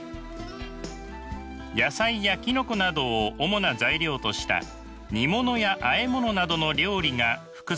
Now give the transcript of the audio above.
野菜やきのこなどを主な材料とした煮物やあえ物などの料理が副菜です。